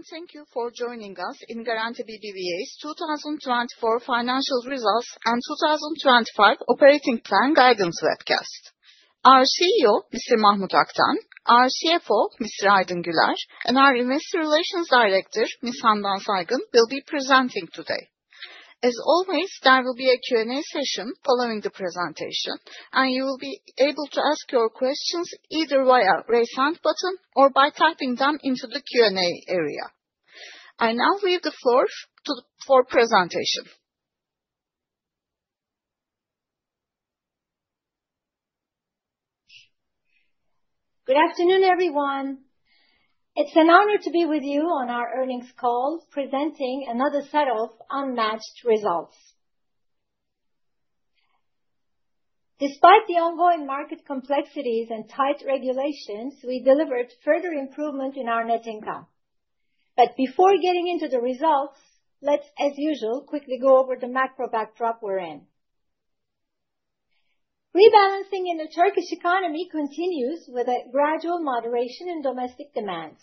Hello, and thank you for joining us in Garanti BBVA's 2024 financial results and 2025 operating plan guidance webcast. Our CEO, Mr. Mahmut Akten, our CFO, Mr. Aydın Güler, and our Investor Relations Director, Ms. Handan Saygın, will be presenting today. As always, there will be a Q&A session following the presentation, and you will be able to ask your questions either via the raise hand button or by typing them into the Q&A area. I now leave the floor for presentation. Good afternoon, everyone. It's an honor to be with you on our earnings call, presenting another set of unmatched results. Despite the ongoing market complexities and tight regulations, we delivered further improvement in our net income. But before getting into the results, let's, as usual, quickly go over the macro backdrop we're in. Rebalancing in the Turkish economy continues with a gradual moderation in domestic demand.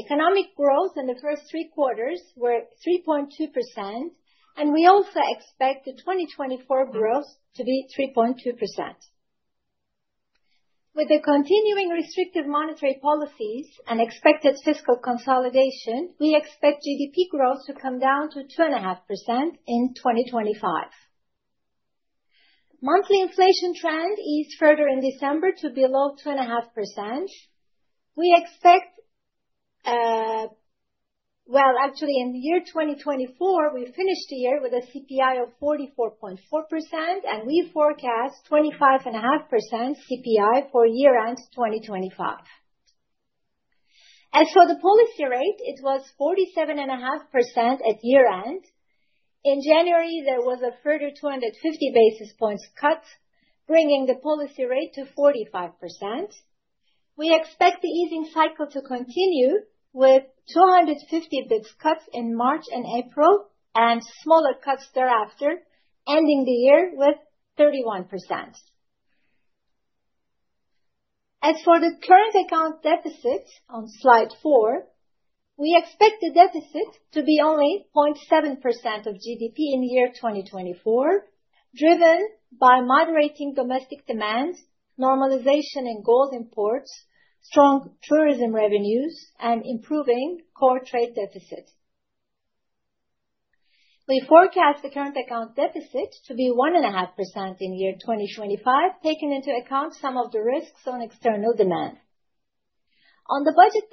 Economic growth in the first three quarters was 3.2%, and we also expect the 2024 growth to be 3.2%. With the continuing restrictive monetary policies and expected fiscal consolidation, we expect GDP growth to come down to 2.5% in 2025. Monthly inflation trend eased further in December to below 2.5%. We expect, well, actually, in the year 2024, we finished the year with a CPI of 44.4%, and we forecast 25.5% CPI for year-end 2025. As for the policy rate, it was 47.5% at year-end. In January, there was a further 250 basis points cut, bringing the policy rate to 45%. We expect the easing cycle to continue with 250 basis points cuts in March and April and smaller cuts thereafter, ending the year with 31%. As for the current account deficit on Slide 4, we expect the deficit to be only 0.7% of GDP in the year 2024, driven by moderating domestic demand, normalization in gold imports, strong tourism revenues, and improving core trade deficit. We forecast the current account deficit to be 1.5% in the year 2025, taking into account some of the risks on external demand. On the budget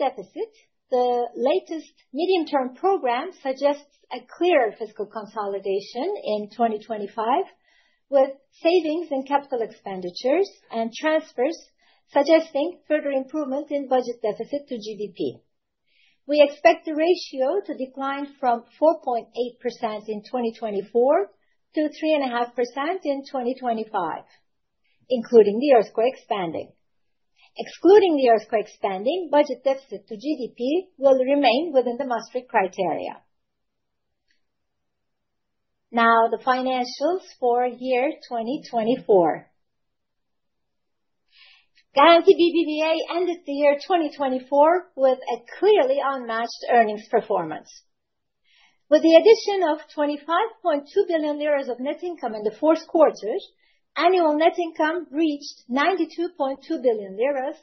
deficit, the latest Medium Term Program suggests a clearer fiscal consolidation in 2025, with savings in capital expenditures and transfers suggesting further improvement in budget deficit to GDP. We expect the ratio to decline from 4.8% in 2024 to 3.5% in 2025, including the earthquake spending. Excluding the earthquake spending, budget deficit to GDP will remain within the Maastricht criteria. Now, the financials for year 2024. Garanti BBVA ended the year 2024 with a clearly unmatched earnings performance. With the addition of 25.2 billion lira of net income in the fourth quarter, annual net income reached 92.2 billion lira,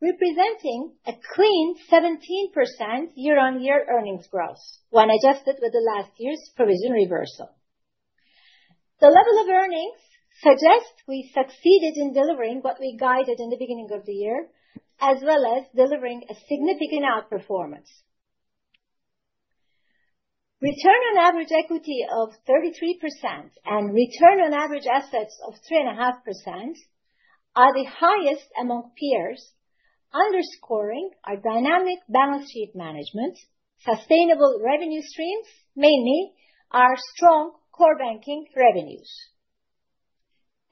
representing a clean 17% year-on-year earnings growth, when adjusted with the last year's provision reversal. The level of earnings suggests we succeeded in delivering what we guided in the beginning of the year, as well as delivering a significant outperformance. Return on average equity of 33% and return on average assets of 3.5% are the highest among peers, underscoring our dynamic balance sheet management, sustainable revenue streams, mainly our strong core banking revenues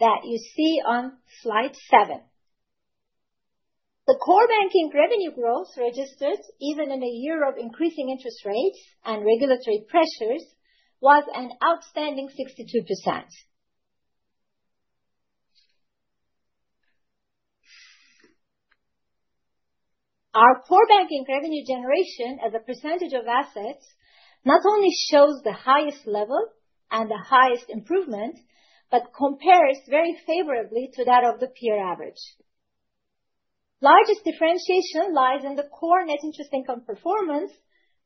that you see on Slide 7. The core banking revenue growth registered, even in a year of increasing interest rates and regulatory pressures, was an outstanding 62%. Our core banking revenue generation as a percentage of assets not only shows the highest level and the highest improvement, but compares very favorably to that of the peer average. The largest differentiation lies in the core net interest income performance,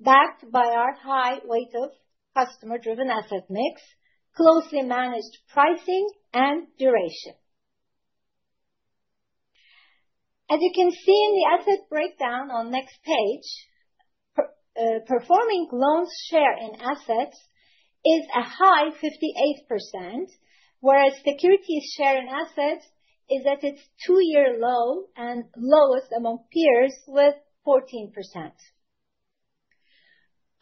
backed by our high weight of customer-driven asset mix, closely managed pricing, and duration. As you can see in the asset breakdown on the next page, performing loans share in assets is a high 58%, whereas securities share in assets is at its two-year low and lowest among peers with 14%.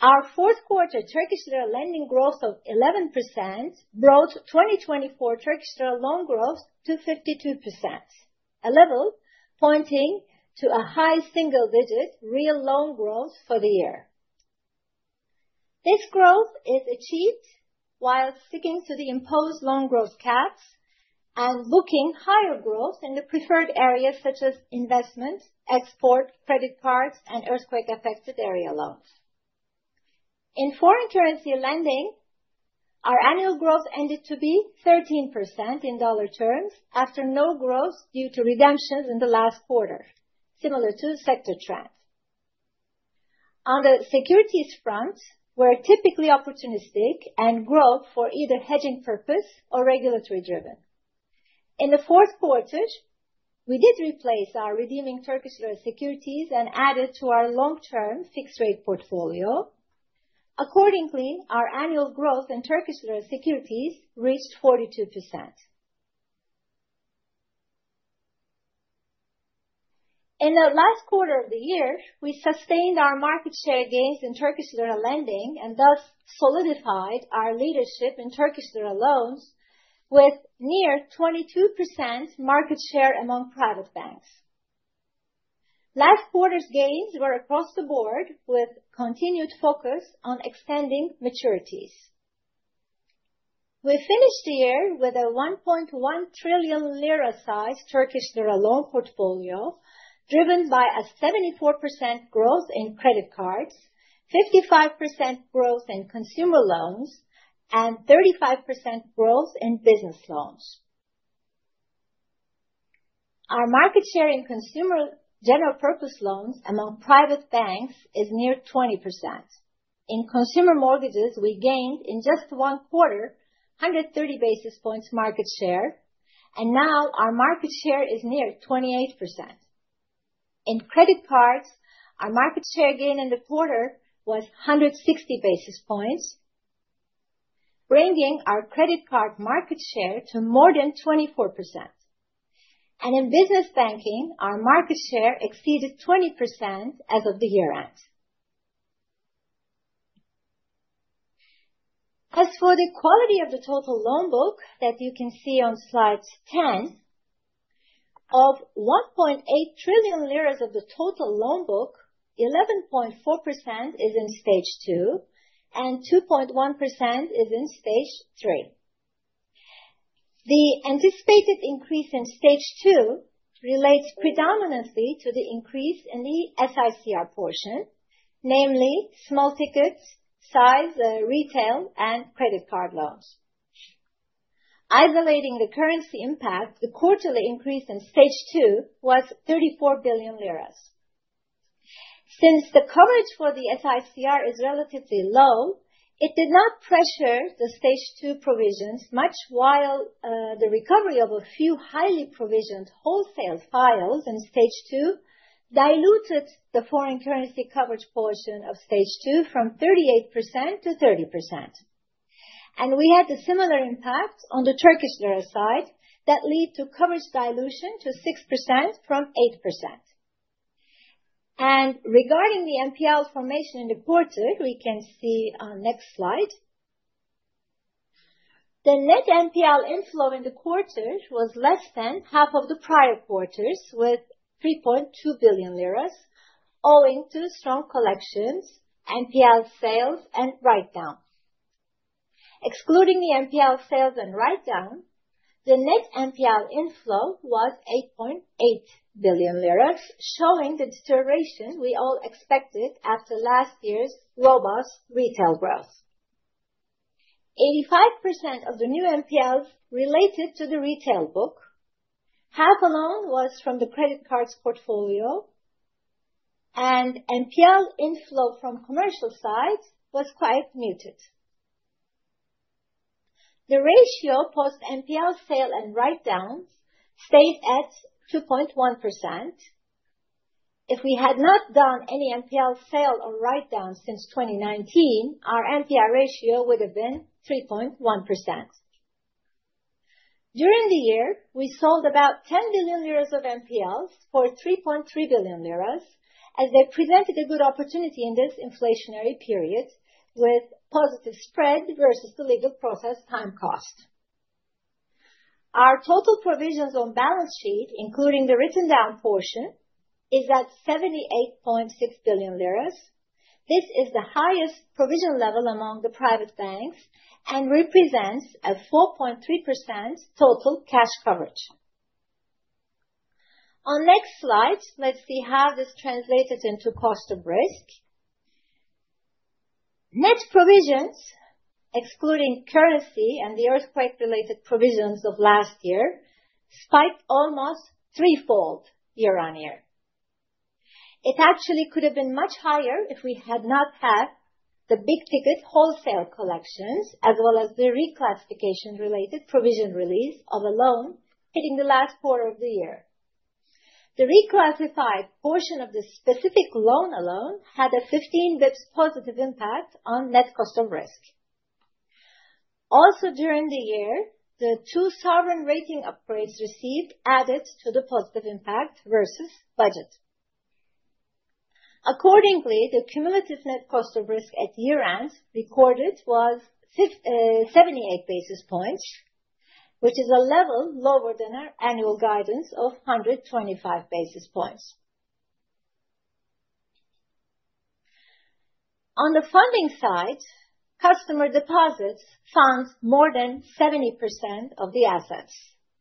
Our fourth quarter Turkish lira lending growth of 11% brought 2024 Turkish lira loan growth to 52%, a level pointing to a high single-digit real loan growth for the year. This growth is achieved while sticking to the imposed loan growth caps and booking higher growth in the preferred areas such as investment, export, credit cards, and earthquake-affected area loans. In foreign currency lending, our annual growth ended to be 13% in dollar terms after no growth due to redemptions in the last quarter, similar to sector trend. On the securities front, we're typically opportunistic and grow for either hedging purpose or regulatory driven. In the fourth quarter, we did replace our redeeming Turkish lira securities and added to our long-term fixed-rate portfolio. Accordingly, our annual growth in Turkish lira securities reached 42%. In the last quarter of the year, we sustained our market share gains in Turkish lira lending and thus solidified our leadership in Turkish lira loans with near 22% market share among private banks. Last quarter's gains were across the board with continued focus on extending maturities. We finished the year with a 1.1 trillion-sized Turkish lira loan portfolio driven by a 74% growth in credit cards, 55% growth in consumer loans, and 35% growth in business loans. Our market share in consumer general purpose loans among private banks is near 20%. In consumer mortgages, we gained in just one quarter 130 basis points market share, and now our market share is near 28%. In credit cards, our market share gain in the quarter was 160 basis points, bringing our credit card market share to more than 24%. And in business banking, our market share exceeded 20% as of the year-end. As for the quality of the total loan book that you can see on Slide 10, of 1.8 trillion lira of the total loan book, 11.4% is in Stage 2, and 2.1% is in Stage 3. The anticipated increase in Stage 2 relates predominantly to the increase in the SICR portion, namely small tickets, size, retail, and credit card loans. Isolating the currency impact, the quarterly increase in Stage 2 was 34 billion lira. Since the coverage for the SICR is relatively low, it did not pressure the Stage 2 provisions much, while the recovery of a few highly provisioned wholesale files in Stage 2 diluted the foreign currency coverage portion of Stage 2 from 38% to 30%, and we had a similar impact on the Turkish lira side that led to coverage dilution to 6% from 8%, and regarding the NPL formation in the quarter, we can see on the next slide. The net NPL inflow in the quarter was less than half of the prior quarters, with 3.2 billion lira owing to strong collections, NPL sales, and write-downs. Excluding the NPL sales and write-downs, the net NPL inflow was 8.8 billion lira, showing the deterioration we all expected after last year's robust retail growth. 85% of the new NPLs related to the retail book, half alone was from the credit cards portfolio, and NPL inflow from commercial sides was quite muted. The ratio post-NPL sale and write-downs stayed at 2.1%. If we had not done any NPL sale or write-downs since 2019, our NPL ratio would have been 3.1%. During the year, we sold about 10 billion lira of NPLs for 3.3 billion lira, as they presented a good opportunity in this inflationary period with positive spread versus the legal process time cost. Our total provisions on balance sheet, including the written-down portion, is at 78.6 billion lira. This is the highest provision level among the private banks and represents a 4.3% total cash coverage. On the next slide, let's see how this translated into cost of risk. Net provisions, excluding currency and the earthquake-related provisions of last year, spiked almost threefold year-on-year. It actually could have been much higher if we had not had the big-ticket wholesale collections, as well as the reclassification-related provision release of a loan hitting the last quarter of the year. The reclassified portion of the specific loan alone had a 15 bps positive impact on net cost of risk. Also, during the year, the two sovereign rating upgrades received added to the positive impact versus budget. Accordingly, the cumulative net cost of risk at year-end recorded was 78 basis points, which is a level lower than our annual guidance of 125 basis points. On the funding side, customer deposits fund more than 70% of the assets,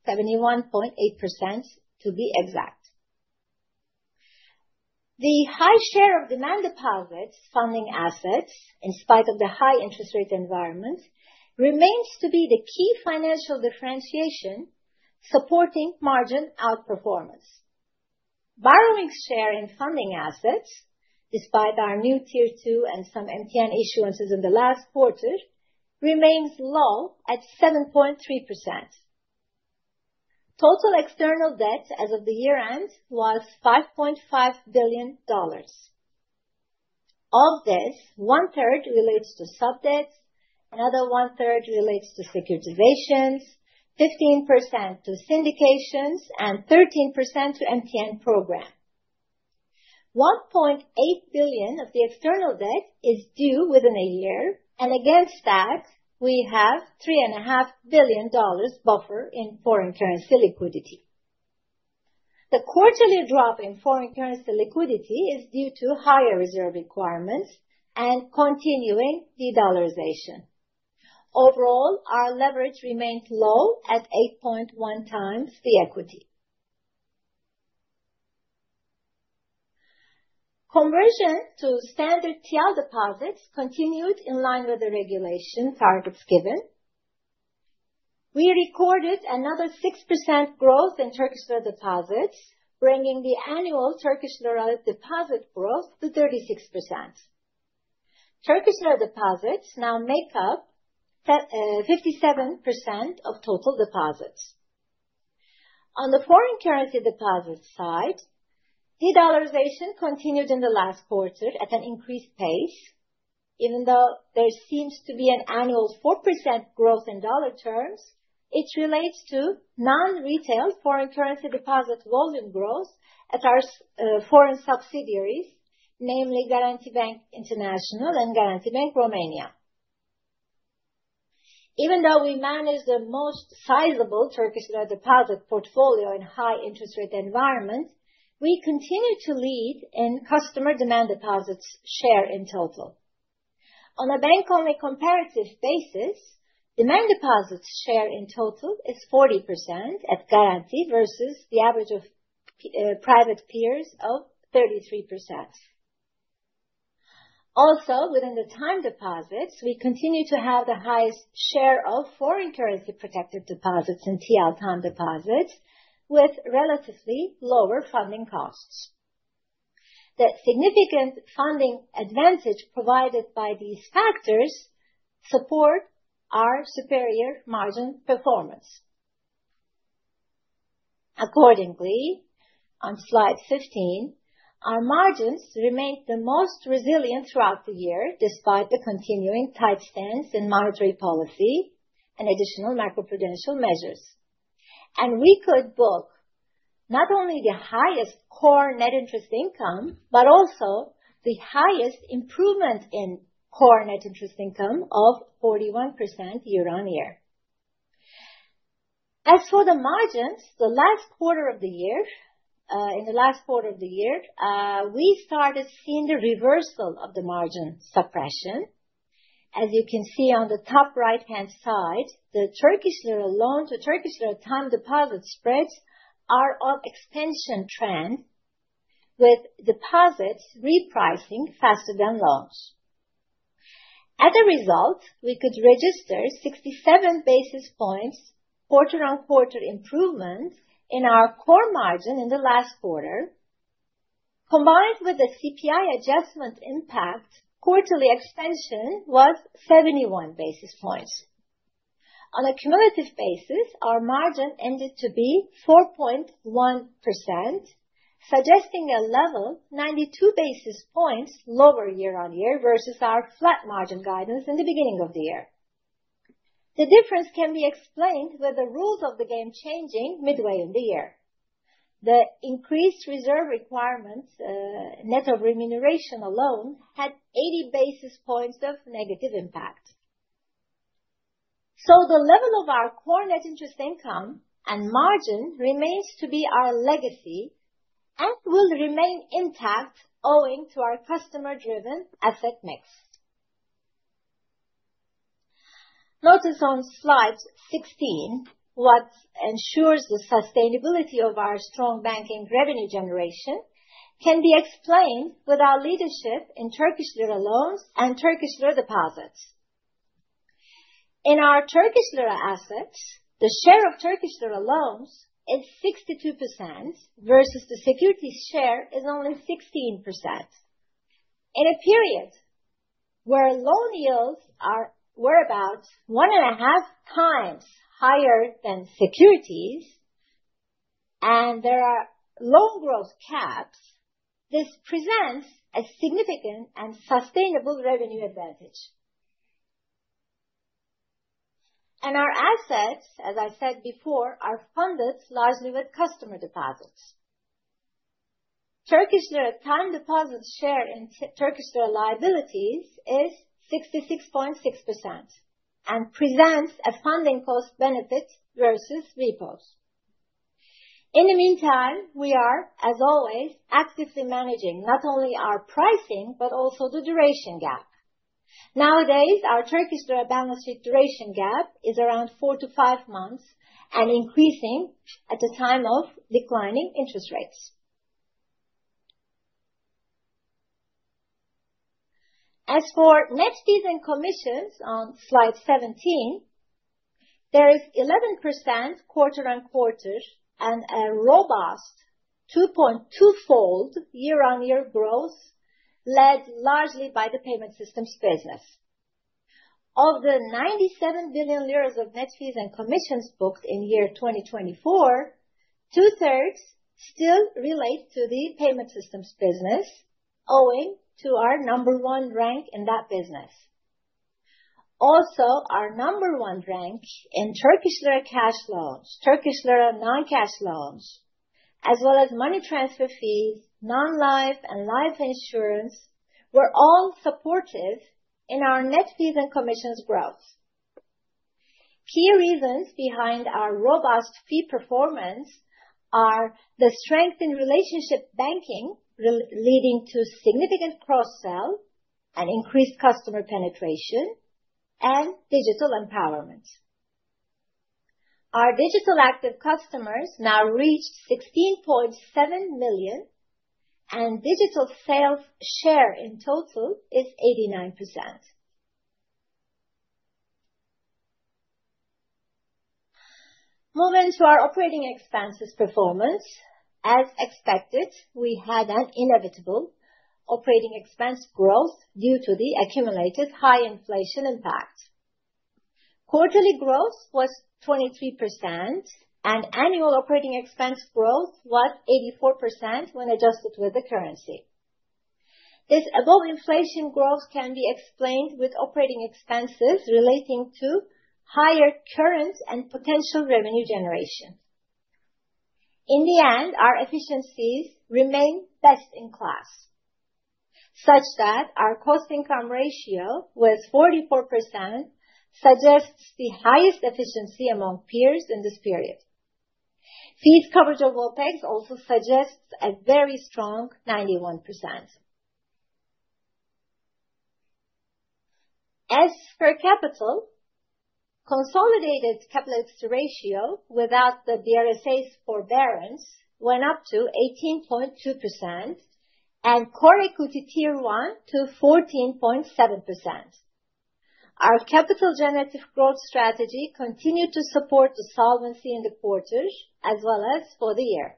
71.8% to be exact. The high share of demand deposits funding assets, in spite of the high interest rate environment, remains to be the key financial differentiation supporting margin outperformance. Borrowing share in funding assets, despite our new Tier 2 and some MTN issuances in the last quarter, remains low at 7.3%. Total external debt as of the year-end was $5.5 billion. Of this, one-third relates to sub-debts, another one-third relates to securitizations, 15% to syndications, and 13% to MTN program. $1.8 billion of the external debt is due within a year, and against that, we have $3.5 billion buffer in foreign currency liquidity. The quarterly drop in foreign currency liquidity is due to higher reserve requirements and continuing de-dollarization. Overall, our leverage remains low at 8.1x the equity. Conversion to standard TL deposits continued in line with the regulation targets given. We recorded another 6% growth in Turkish lira deposits, bringing the annual Turkish lira deposit growth to 36%. Turkish lira deposits now make up 57% of total deposits. On the foreign currency deposits side, de-dollarization continued in the last quarter at an increased pace. Even though there seems to be an annual 4% growth in dollar terms, it relates to non-retail foreign currency deposit volume growth at our foreign subsidiaries, namely Garanti Bank International and Garanti Bank Romania. Even though we manage the most sizable Turkish lira deposit portfolio in a high interest rate environment, we continue to lead in customer demand deposits share in total. On a bank-only comparative basis, demand deposits share in total is 40% at Garanti versus the average of private peers of 33%. Also, within the time deposits, we continue to have the highest share of foreign currency protected deposits in TL time deposits with relatively lower funding costs. The significant funding advantage provided by these factors supports our superior margin performance. Accordingly, on Slide 15, our margins remained the most resilient throughout the year despite the continuing tight stance in monetary policy and additional macroprudential measures. And we could book not only the highest core net interest income, but also the highest improvement in core net interest income of 41% year-on-year. As for the margins, in the last quarter of the year, we started seeing the reversal of the margin suppression. As you can see on the top right-hand side, the Turkish lira loan to Turkish lira time deposit spreads are on extension trend, with deposits repricing faster than loans. As a result, we could register 67 basis points quarter-on-quarter improvement in our core margin in the last quarter. Combined with the CPI adjustment impact, quarterly extension was 71 basis points. On a cumulative basis, our margin ended to be 4.1%, suggesting a level 92 basis points lower year-on-year versus our flat margin guidance in the beginning of the year. The difference can be explained with the rules of the game changing midway in the year. The increased reserve requirements, net of remuneration alone, had 80 basis points of negative impact. So the level of our core net interest income and margin remains to be our legacy and will remain intact owing to our customer-driven asset mix. Notice on Slide 16 what ensures the sustainability of our strong banking revenue generation can be explained with our leadership in Turkish lira loans and Turkish lira deposits. In our Turkish lira assets, the share of Turkish lira loans is 62% versus the securities share is only 16%. In a period where loan yields were about 1.5x higher than securities and there are loan growth caps, this presents a significant and sustainable revenue advantage. And our assets, as I said before, are funded largely with customer deposits. Turkish lira time deposit share in Turkish lira liabilities is 66.6% and presents a funding cost benefit versus repos. In the meantime, we are, as always, actively managing not only our pricing but also the duration gap. Nowadays, our Turkish lira balance sheet duration gap is around four to five months and increasing at a time of declining interest rates. As for net fees and commissions on Slide 17, there is 11% quarter-on-quarter and a robust 2.2-fold year-on-year growth led largely by the payment systems business. Of the 97 billion lira of net fees and commissions booked in year 2024, two-thirds still relate to the payment systems business owing to our number one rank in that business. Also, our number one rank in Turkish lira cash loans, Turkish lira non-cash loans, as well as money transfer fees, non-life, and life insurance were all supportive in our net fees and commissions growth. Key reasons behind our robust fee performance are the strength in relationship banking leading to significant cross-sell and increased customer penetration and digital empowerment. Our digital active customers now reached 16.7 million, and digital sales share in total is 89%. Moving to our operating expenses performance, as expected, we had an inevitable operating expense growth due to the accumulated high inflation impact. Quarterly growth was 23%, and annual operating expense growth was 84% when adjusted with the currency. This above-inflation growth can be explained with operating expenses relating to higher current and potential revenue generation. In the end, our efficiencies remain best in class, such that our cost-income ratio was 44%, suggesting the highest efficiency among peers in this period. Fees coverage of OpEx also suggests a very strong 91%. As per capital, consolidated capital adequacy ratio without the BRSA's forbearance went up to 18.2% and Core Equity Tier 1 to 14.7%. Our capital-generative growth strategy continued to support the solvency in the quarter as well as for the year.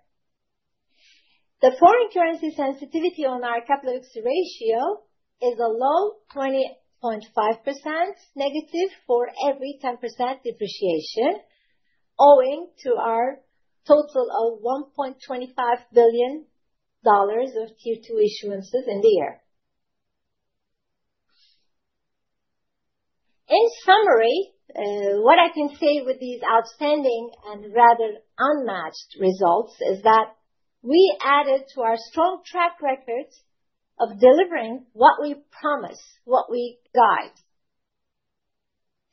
The foreign currency sensitivity on our capital adequacy ratio is a low 20.5% negative for every 10% depreciation owing to our total of $1.25 billion of Tier 2 issuances in the year. In summary, what I can say with these outstanding and rather unmatched results is that we added to our strong track record of delivering what we promise, what we guide.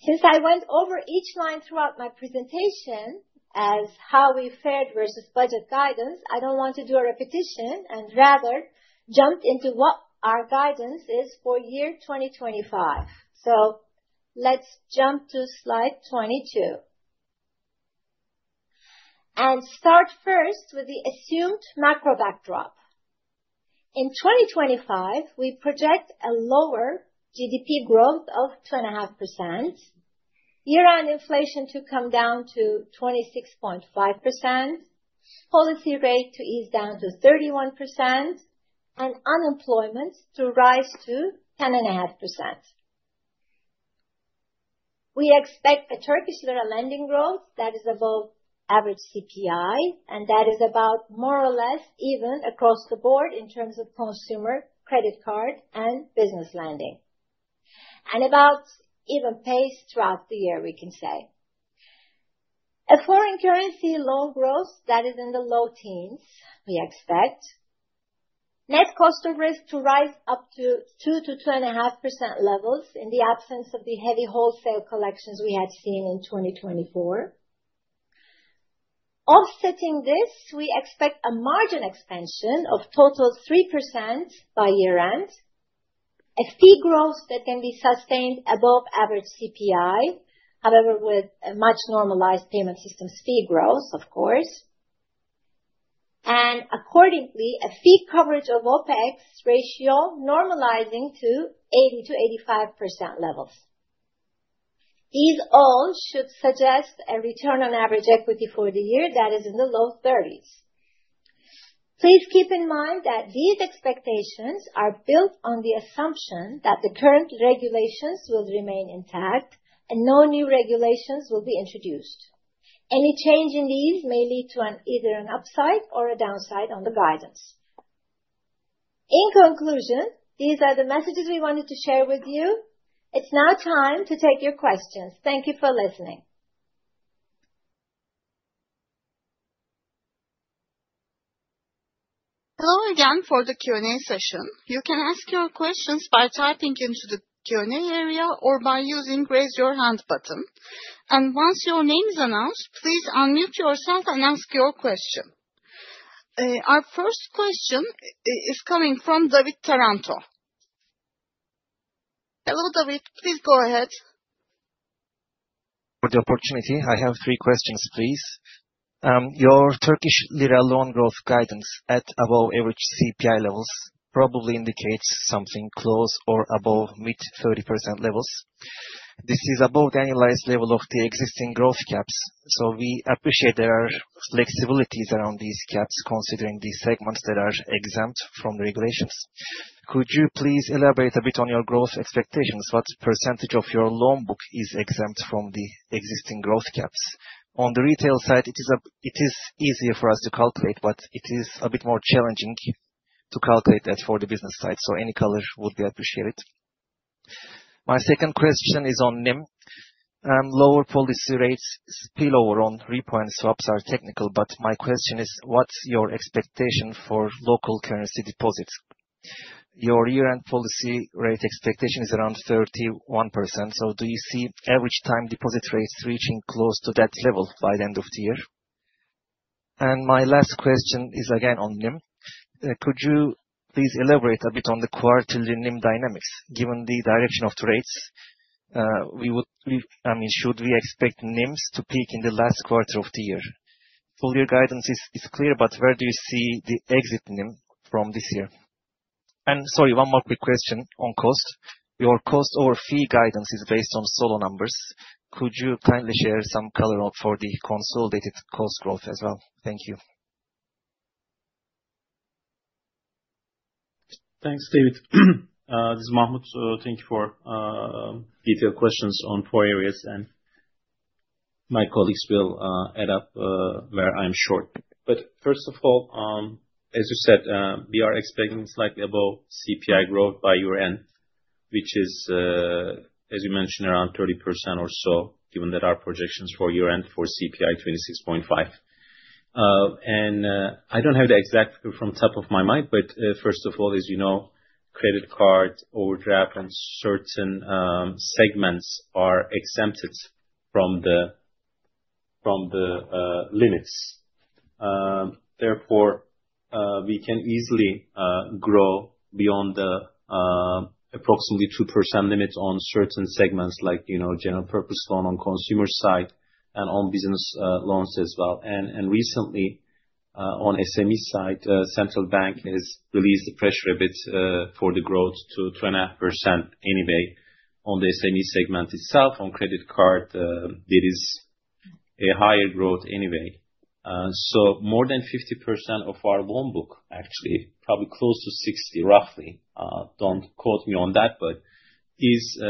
Since I went over each line throughout my presentation as how we fared versus budget guidance, I don't want to do a repetition and rather jump into what our guidance is for year 2025. So let's jump to Slide 22 and start first with the assumed macro backdrop. In 2025, we project a lower GDP growth of 2.5%, year-end inflation to come down to 26.5%, policy rate to ease down to 31%, and unemployment to rise to 10.5%. We expect a Turkish lira lending growth that is above average CPI, and that is about more or less even across the board in terms of consumer credit card and business lending, and about even pace throughout the year, we can say. A foreign currency loan growth that is in the low teens, we expect net cost of risk to rise up to 2%-2.5% levels in the absence of the heavy wholesale collections we had seen in 2024. Offsetting this, we expect a margin expansion of total 3% by year-end, a fee growth that can be sustained above average CPI, however, with a much normalized payment systems fee growth, of course, and accordingly, a fee coverage of OpEx ratio normalizing to 80%-85% levels. These all should suggest a return on average equity for the year that is in the low 30s. Please keep in mind that these expectations are built on the assumption that the current regulations will remain intact and no new regulations will be introduced. Any change in these may lead to either an upside or a downside on the guidance. In conclusion, these are the messages we wanted to share with you. It's now time to take your questions. Thank you for listening. Hello again for the Q&A session. You can ask your questions by typing into the Q&A area or by using raise your hand button, and once your name is announced, please unmute yourself and ask your question. Our first question is coming from David Taranto. Hello, David. Please go ahead. For the opportunity, I have three questions, please. Your Turkish lira loan growth guidance at above-average CPI levels probably indicates something close or above mid-30% levels. This is above the annualized level of the existing growth caps, so we appreciate there are flexibilities around these caps considering these segments that are exempt from the regulations. Could you please elaborate a bit on your growth expectations? What percentage of your loan book is exempt from the existing growth caps? On the retail side, it is easier for us to calculate, but it is a bit more challenging to calculate that for the business side, so any color would be appreciated. My second question is on NIM. Lower policy rates, spillover on repo and swaps are technical, but my question is, what's your expectation for local currency deposits? Your year-end policy rate expectation is around 31%, so do you see average time deposit rates reaching close to that level by the end of the year? And my last question is again on NIM. Could you please elaborate a bit on the quarterly NIM dynamics? Given the direction of the rates, we would, I mean, should we expect NIMs to peak in the last quarter of the year? Full year guidance is clear, but where do you see the exit NIM from this year? And sorry, one more quick question on cost. Your cost over fee guidance is based on solo numbers. Could you kindly share some color for the consolidated cost growth as well? Thank you. Thanks, David. This is Mahmut. Thank you for detailed questions on four areas, and my colleagues will add up where I'm short, but first of all, as you said, we are expecting slightly above CPI growth by year-end, which is, as you mentioned, around 30% or so, given that our projections for year-end for CPI 26.5%, and I don't have the exact figure from the top of my mind, but first of all, as you know, credit card, overdraft and certain segments are exempted from the limits. Therefore, we can easily grow beyond the approximately 2% limit on certain segments like general purpose loan on consumer side and on business loans as well, and recently, on SME side, the Central Bank has released a pressure a bit for the growth to 2.5% anyway. On the SME segment itself, on credit card, there is a higher growth anyway. So more than 50% of our loan book, actually, probably close to 60, roughly, don't quote me on that, but is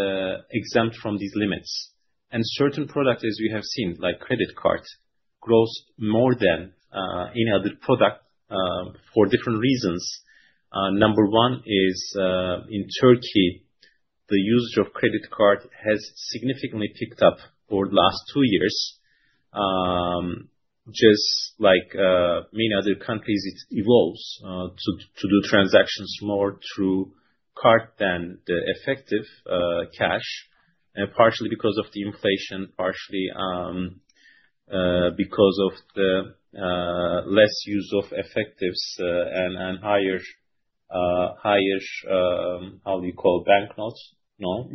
exempt from these limits. And certain products, as we have seen, like credit card, grows more than any other product for different reasons. Number one is in Turkey, the usage of credit card has significantly picked up over the last two years. Just like many other countries, it evolves to do transactions more through card than the cash, partially because of the inflation, partially because of the less use of cash and higher, what do you call, bank notes? No,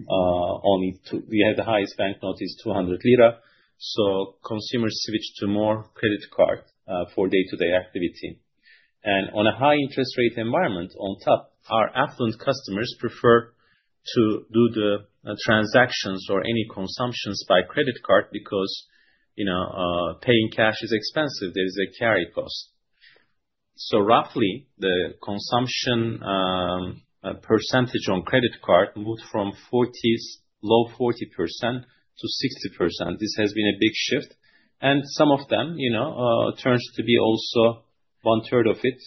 only we have the highest bank note is 200 lira. So consumers switch to more credit card for day-to-day activity. And on a high interest rate environment, on top, our affluent customers prefer to do the transactions or any consumptions by credit card because paying cash is expensive. There is a carry cost, so roughly, the consumption percentage on credit card moved from low 40% to 60%. This has been a big shift, and some of them turns to be also one-third of it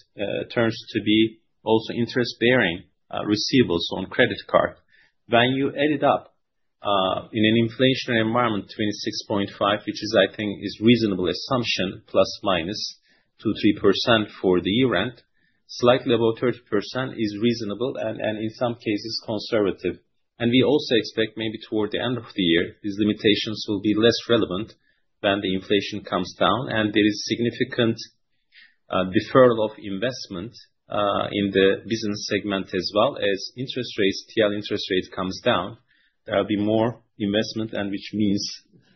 turns to be also interest-bearing receivables on credit card. When you add it up in an inflationary environment, 26.5%, which is, I think, is a reasonable assumption, ± 2%-3% for the year-end, slightly above 30% is reasonable and in some cases conservative, and we also expect maybe toward the end of the year, these limitations will be less relevant when the inflation comes down and there is significant deferral of investment in the business segment as well as interest rates, TL interest rate comes down, there will be more investment, which means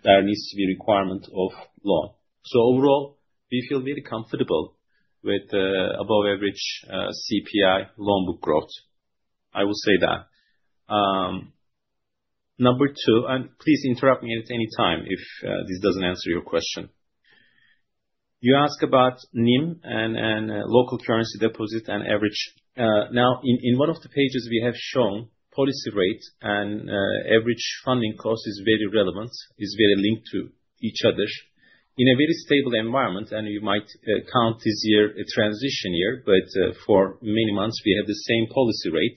there needs to be a requirement of loan. So overall, we feel very comfortable with the above-average CPI loan book growth. I will say that. Number two, and please interrupt me at any time if this doesn't answer your question. You ask about NIM and local currency deposit and average. Now, in one of the pages, we have shown policy rate and average funding cost is very relevant, is very linked to each other in a very stable environment, and you might count this year a transition year, but for many months, we have the same policy rate.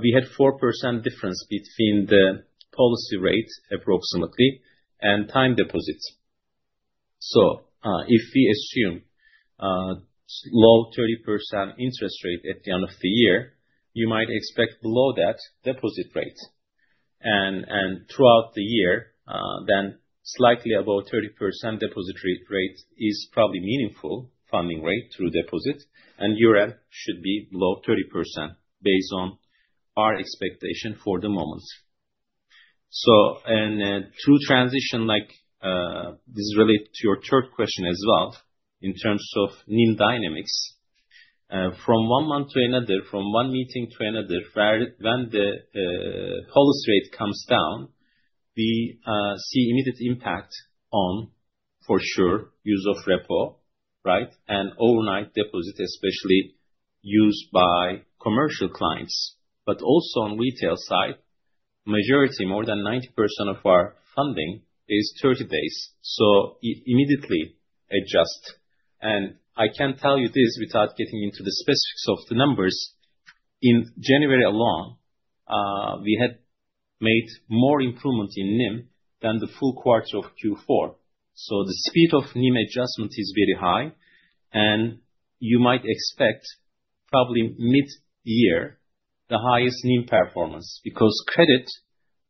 We had a 4% difference between the policy rate approximately and time deposits. So if we assume low 30% interest rate at the end of the year, you might expect below that deposit rate. Throughout the year, then slightly above 30% deposit rate is probably meaningful funding rate through deposit, and year-end should be below 30% based on our expectation for the moment. A true transition like this is related to your third question as well in terms of NIM dynamics. From one month to another, from one meeting to another, when the policy rate comes down, we see immediate impact on, for sure, use of repo, right? Overnight deposit, especially used by commercial clients, but also on retail side, majority, more than 90% of our funding is 30 days. It immediately adjusts. I can tell you this without getting into the specifics of the numbers. In January alone, we had made more improvement in NIM than the full quarter of Q4. So the speed of NIM adjustment is very high, and you might expect probably mid-year the highest NIM performance because credit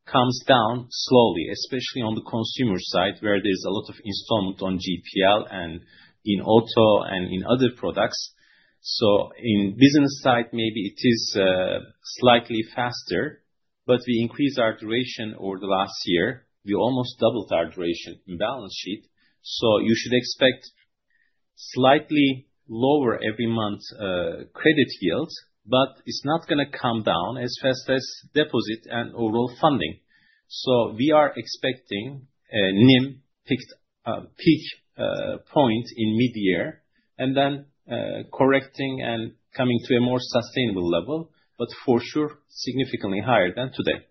comes down slowly, especially on the consumer side where there's a lot of installment on GPL and in auto and in other products. So in business side, maybe it is slightly faster, but we increased our duration over the last year. We almost doubled our duration in balance sheet. So you should expect slightly lower every month credit yield, but it's not going to come down as fast as deposit and overall funding. So we are expecting NIM peak point in mid-year and then correcting and coming to a more sustainable level, but for sure significantly higher than today.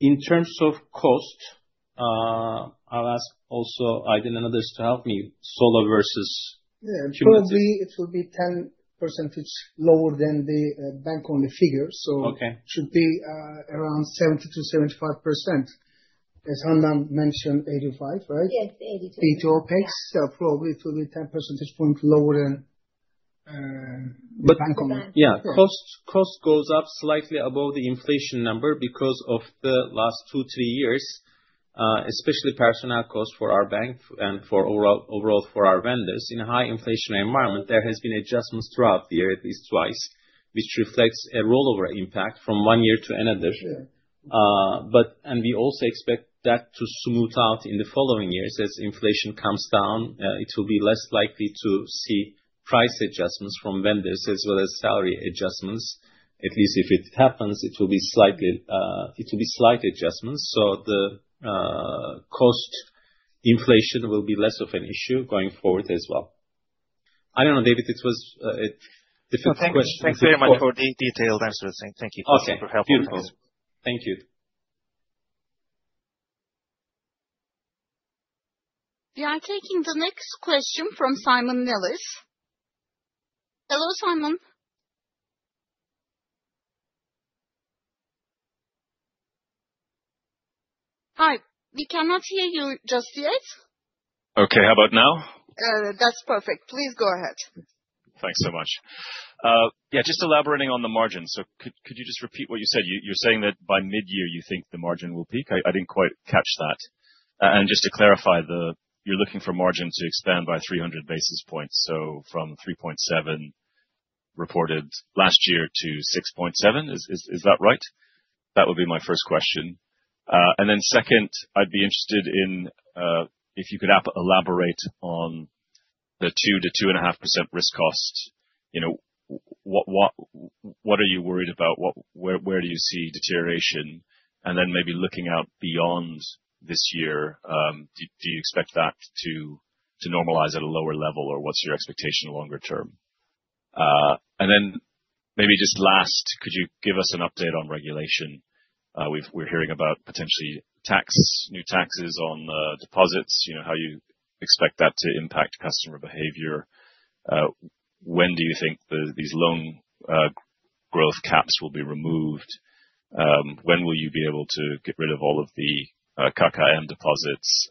In terms of cost, I'll ask also Aydın and others to help me. Solo versus cumulative? Yeah, it will be 10% lower than the bank-only figure, so it should be around 70%-75%. As Handan mentioned, 85%, right? Yes, 85%. Fee to OpEx, probably it will be 10 percentage points lower than bank-only. Yeah, cost goes up slightly above the inflation number because of the last two, three years, especially personnel cost for our bank and overall for our vendors. In a high inflationary environment, there have been adjustments throughout the year, at least twice, which reflects a rollover impact from one year to another. And we also expect that to smooth out in the following years. As inflation comes down, it will be less likely to see price adjustments from vendors as well as salary adjustments. At least if it happens, it will be slight adjustments. So the cost inflation will be less of an issue going forward as well. I don't know, David, it was a different question. Thanks very much for the detailed answers. Thank you for helping me. Okay, beautiful. Thank you. We are taking the next question from Simon Nellis. Hello, Simon. Hi, we cannot hear you just yet. Okay, how about now? That's perfect. Please go ahead. Thanks so much. Yeah, just elaborating on the margin. So could you just repeat what you said? You're saying that by mid-year, you think the margin will peak. I didn't quite catch that. And just to clarify, you're looking for margin to expand by 300 basis points. So from 3.7% reported last year to 6.7%, is that right? That would be my first question. And then second, I'd be interested in if you could elaborate on the 2%-2.5% risk cost. What are you worried about? Where do you see deterioration? And then maybe looking out beyond this year, do you expect that to normalize at a lower level or what's your expectation longer term? And then maybe just last, could you give us an update on regulation? We're hearing about potentially new taxes on deposits, how you expect that to impact customer behavior. When do you think these loan growth caps will be removed? When will you be able to get rid of all of the KKM deposits?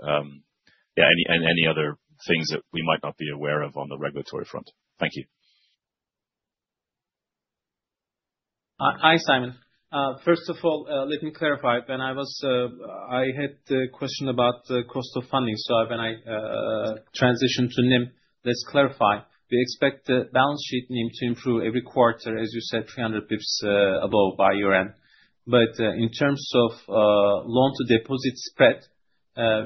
Yeah, and any other things that we might not be aware of on the regulatory front? Thank you. Hi, Simon. First of all, let me clarify. When I was, I had the question about the cost of funding. So when I transitioned to NIM, let's clarify. We expect the balance sheet NIM to improve every quarter, as you said, 300 basis points above by year-end. But in terms of loan-to-deposit spread,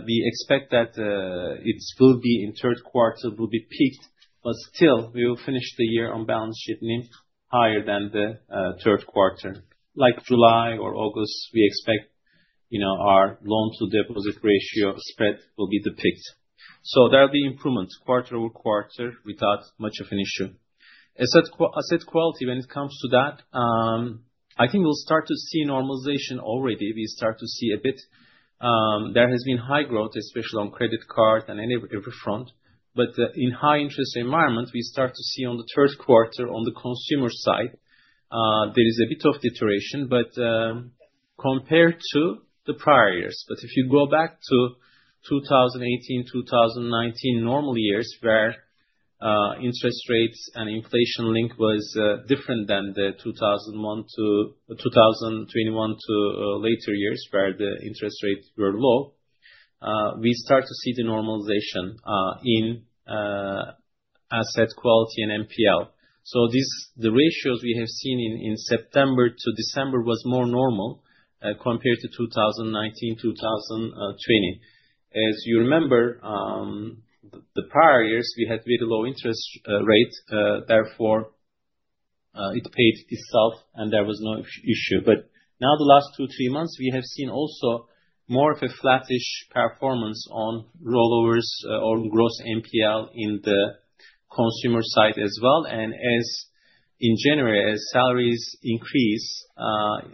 we expect that it will be in third quarter, will peak, but still, we will finish the year on balance sheet NIM higher than the third quarter. Like July or August, we expect our loan-to-deposit ratio spread will dip. So there will be improvement quarter-over-quarter without much of an issue. Asset quality, when it comes to that, I think we'll start to see normalization already. We start to see a bit. There has been high growth, especially on credit card and every front. But in high interest environment, we start to see on the third quarter on the consumer side, there is a bit of deterioration, but compared to the prior years. But if you go back to 2018, 2019 normal years where interest rates and inflation link was different than the 2021 to later years where the interest rates were low, we start to see the normalization in asset quality and NPL. So the ratios we have seen in September to December was more normal compared to 2019, 2020. As you remember, the prior years, we had very low interest rate. Therefore, it paid itself and there was no issue. But now, the last two, three months, we have seen also more of a flattish performance on rollovers or gross NPL in the consumer side as well. In January, as salaries increase,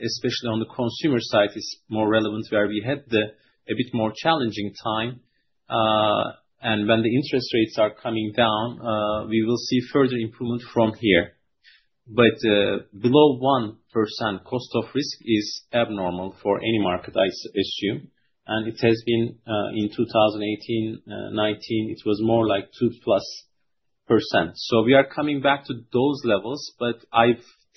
especially on the consumer side, it's more relevant where we had a bit more challenging time. When the interest rates are coming down, we will see further improvement from here. Below 1%, cost of risk is abnormal for any market, I assume. It has been in 2018, 2019, it was more like 2%. We are coming back to those levels, but I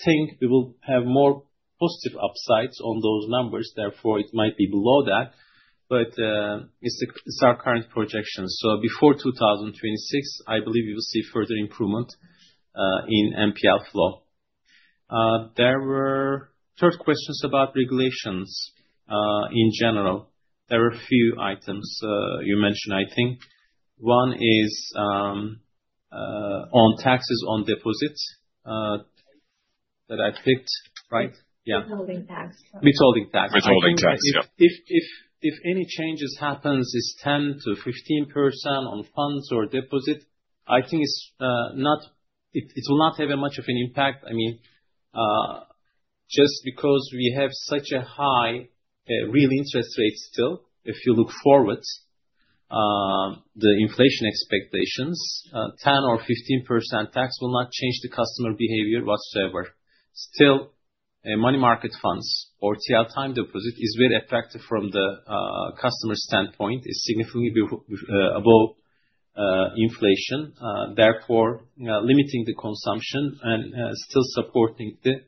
think we will have more positive upsides on those numbers. Therefore, it might be below that, but it's our current projection. Before 2026, I believe we will see further improvement in NPL flow. There were three questions about regulations in general. There were a few items you mentioned, I think. One is on taxes on deposits that I picked, right? Yeah. Withholding tax. Withholding tax. Withholding tax, yeah. If any changes happen, it's 10%-15% on funds or deposit. I think it will not have much of an impact. I mean, just because we have such a high real interest rate still, if you look forward, the inflation expectations, 10% or 15% tax will not change the customer behavior whatsoever. Still, money market funds or TL time deposit is very attractive from the customer standpoint. It's significantly above inflation. Therefore, limiting the consumption and still supporting the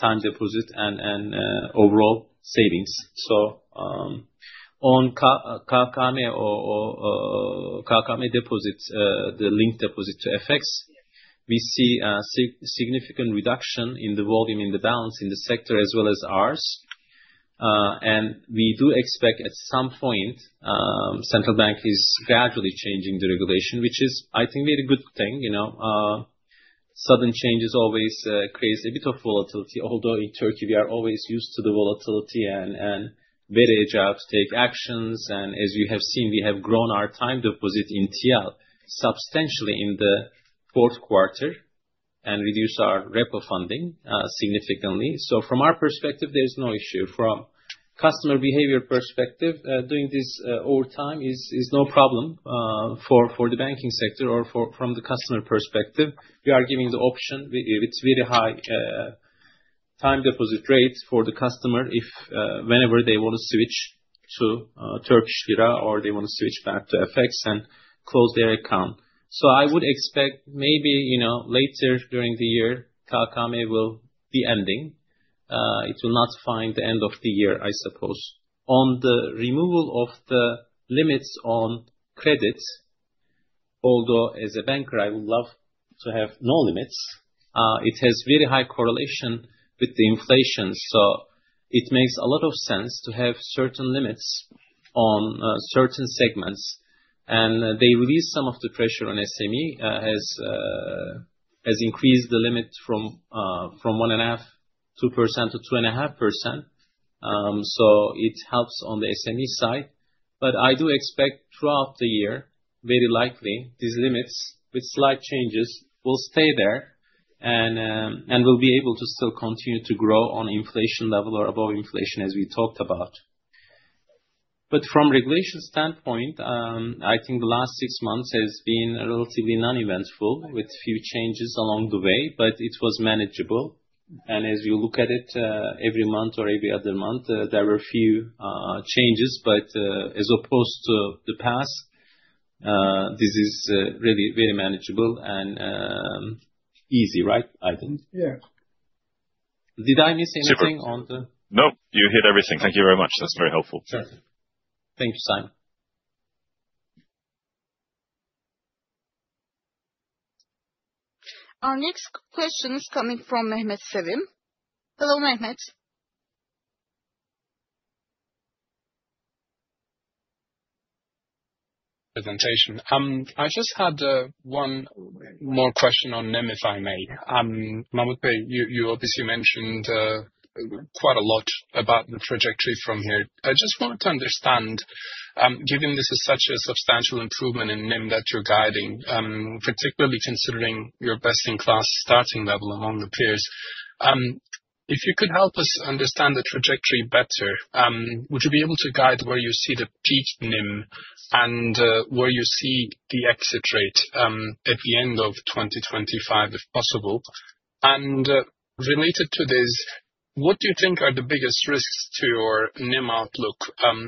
time deposit and overall savings. So on KKM deposit, the linked deposit to FX, we see a significant reduction in the volume in the balance in the sector as well as ours. And we do expect at some point, Central Bank is gradually changing the regulation, which is, I think, very good thing. Sudden changes always create a bit of volatility. Although in Turkey, we are always used to the volatility and very agile to take actions, and as you have seen, we have grown our time deposit in TL substantially in the fourth quarter and reduced our repo funding significantly, so from our perspective, there's no issue. From customer behavior perspective, doing this over time is no problem for the banking sector or from the customer perspective. We are giving the option. It's a very high time deposit rate for the customer whenever they want to switch to Turkish lira or they want to switch back to FX and close their account, so I would expect maybe later during the year, KKM will be ending. It will not find the end of the year, I suppose. On the removal of the limits on credit, although as a banker, I would love to have no limits. It has very high correlation with the inflation. It makes a lot of sense to have certain limits on certain segments. They released some of the pressure on SME, has increased the limit from 1.5% to 2.5%. It helps on the SME side. I do expect throughout the year, very likely, these limits with slight changes will stay there and will be able to still continue to grow on inflation level or above inflation, as we talked about. From regulation standpoint, I think the last six months has been relatively uneventful with few changes along the way, but it was manageable. As you look at it every month or every other month, there were few changes, but as opposed to the past, this is really very manageable and easy, right, Aydın? Did I miss anything on the? No, you hit everything. Thank you very much. That's very helpful. Thank you, Simon. Our next question is coming from Mehmet Sevim. Hello, Mehmet. I just had one more question on NIM, if I may. Mahmut, hey, you obviously mentioned quite a lot about the trajectory from here. I just wanted to understand, given this is such a substantial improvement in NIM that you're guiding, particularly considering your best-in-class starting level among the peers, if you could help us understand the trajectory better, would you be able to guide where you see the peak NIM and where you see the exit rate at the end of 2025, if possible? And related to this, what do you think are the biggest risks to your NIM outlook,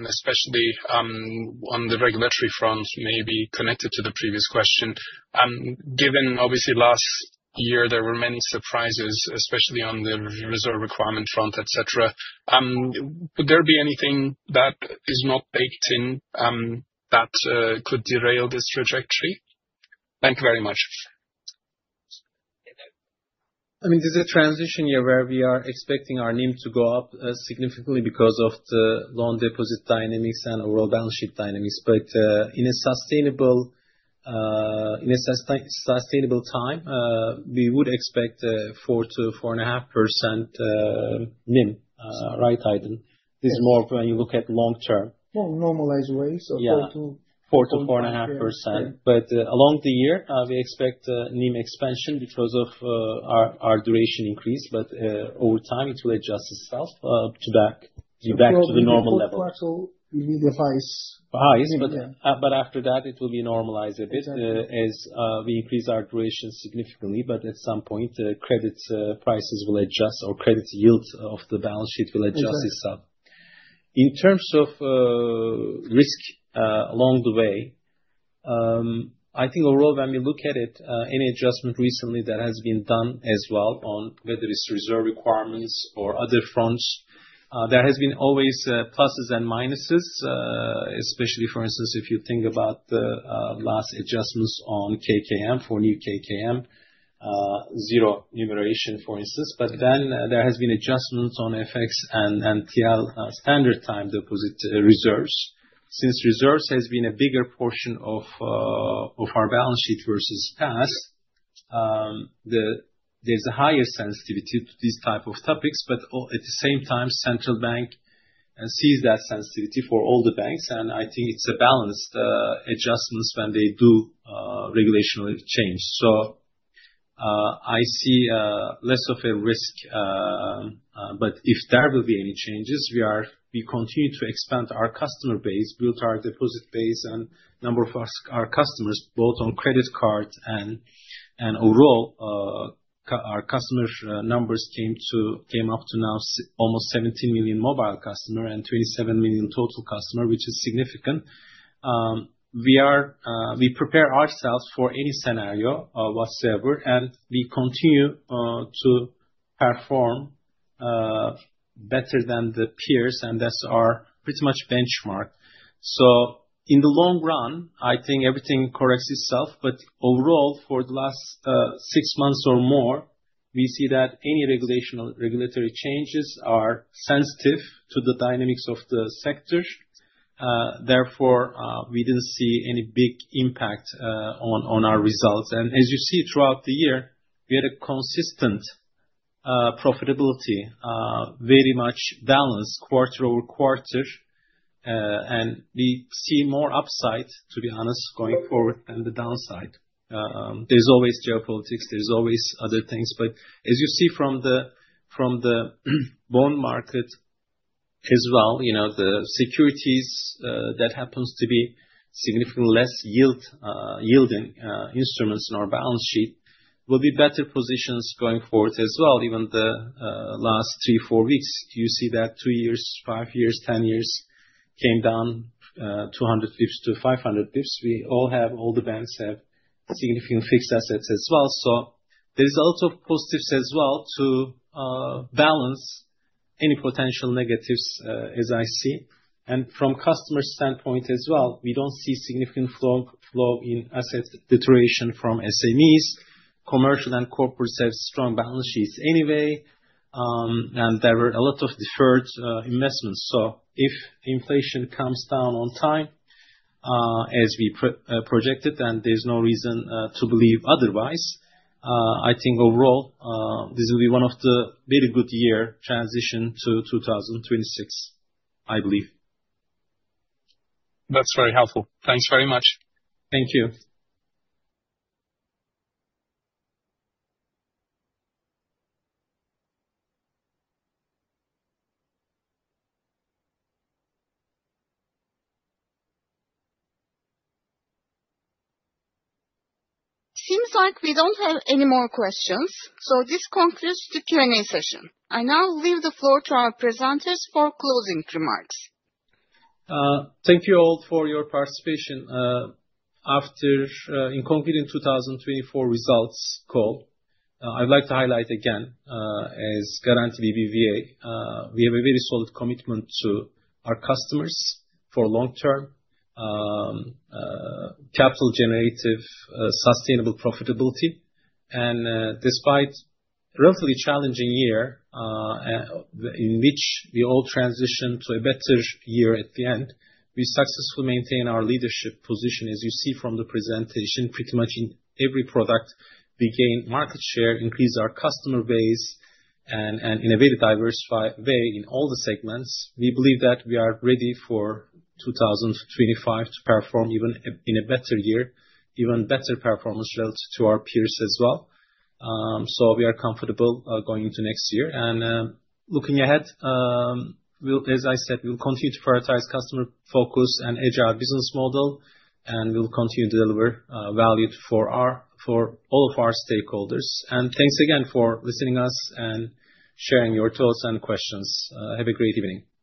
especially on the regulatory front, maybe connected to the previous question? Given obviously last year, there were many surprises, especially on the reserve requirement front, etc. Would there be anything that is not baked in that could derail this trajectory? Thank you very much. I mean, there's a transition year where we are expecting our NIM to go up significantly because of the loan deposit dynamics and overall balance sheet dynamics. But in a sustainable time, we would expect 4%-4.5% NIM, right, Aydın? This is more when you look at long term. Normalized ways, so 4% to. Yeah, 4%-4.5%. But along the year, we expect NIM expansion because of our duration increase, but over time, it will adjust itself to back to the normal level. It will be quite a bit higher. High, but after that, it will be normalized a bit as we increase our duration significantly. But at some point, credit prices will adjust or credit yield of the balance sheet will adjust itself. In terms of risk along the way, I think overall, when we look at it, any adjustment recently that has been done as well on whether it's reserve requirements or other fronts, there has been always pluses and minuses, especially, for instance, if you think about the last adjustments on KKM for new KKM, zero remuneration, for instance. But then there has been adjustments on FX and TL standard time deposit reserves. Since reserves has been a bigger portion of our balance sheet versus past, there's a higher sensitivity to these type of topics. But at the same time, Central Bank sees that sensitivity for all the banks. I think it's a balanced adjustment when they do regulatory change. I see less of a risk. If there will be any changes, we continue to expand our customer base, build our deposit base, and number of our customers, both on credit card and overall. Our customer numbers came up to now almost 17 million mobile customers and 27 million total customers, which is significant. We prepare ourselves for any scenario whatsoever, and we continue to perform better than the peers, and that's our pretty much benchmark. In the long run, I think everything corrects itself. Overall, for the last six months or more, we see that any regulatory changes are sensitive to the dynamics of the sector. Therefore, we didn't see any big impact on our results. As you see throughout the year, we had a consistent profitability, very much balanced quarter-overquarter. We see more upside, to be honest, going forward than the downside. There's always geopolitics. There's always other things. But as you see from the bond market as well, the securities that happens to be significantly less yielding instruments in our balance sheet will be better positions going forward as well. Even the last three, four weeks, you see that two years, five years, 10 years came down 200 bps to 500 bps. We all have, all the banks have significant fixed assets as well. So there's a lot of positives as well to balance any potential negatives, as I see. From customer standpoint as well, we don't see significant flow in asset deterioration from SMEs. Commercial and corporates have strong balance sheets anyway, and there were a lot of deferred investments. So if inflation comes down on time, as we projected, and there's no reason to believe otherwise, I think overall, this will be one of the very good year transition to 2026, I believe. That's very helpful. Thanks very much. Thank you. It seems like we don't have any more questions. So this concludes the Q&A session. I now leave the floor to our presenters for closing remarks. Thank you all for your participation. After concluding the 2024 results call, I'd like to highlight again, as Garanti BBVA, we have a very solid commitment to our customers for long-term capital-generative sustainable profitability. And despite a relatively challenging year in which we all transitioned to a better year at the end, we successfully maintained our leadership position. As you see from the presentation, pretty much in every product, we gained market share, increased our customer base, and in a very diversified way in all the segments. We believe that we are ready for 2025 to perform even in a better year, even better performance relative to our peers as well. So we are comfortable going into next year. And looking ahead, as I said, we will continue to prioritize customer focus and agile business model, and we will continue to deliver value for all of our stakeholders. Thanks again for listening to us and sharing your thoughts and questions. Have a great evening.